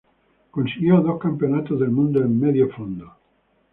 Consiguió dos Campeonatos del mundo en Medio Fondo.